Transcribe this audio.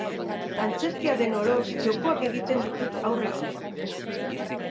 Antzerkia den oro, jokoak egiten ditut haurrekin.